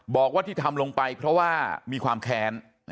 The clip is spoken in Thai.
บอกว่าที่ทำลงไปเพราะว่ามีความแค้น